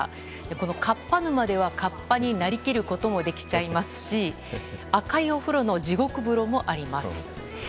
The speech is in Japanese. このカッパ沼ではカッパになりきることもできちゃいますし赤いお風呂の地獄風呂もあります。